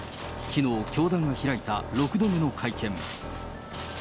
きのう、教団が開いた６度目の会見。